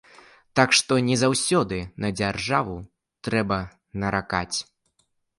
Так што не заўсёды на дзяржаву трэба наракаць.